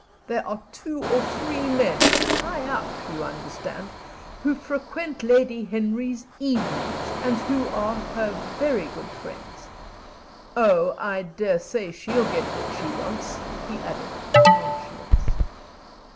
There are two or three men high up, you understand who frequent Lady Henry's evenings, and who are her very good friends.... Oh, I dare say she'll get what she wants," he added, with nonchalance.